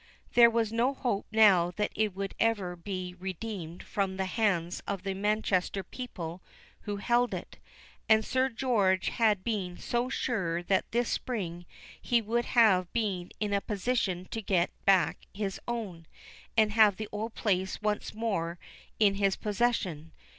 there was no hope now that it would ever be redeemed from the hands of the Manchester people who held it; and Sir George had been so sure that this spring he would have been in a position to get back his own, and have the old place once more in his possession.